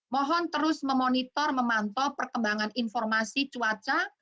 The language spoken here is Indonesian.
mohon terus memonitor memantau perkembangan informasi cuaca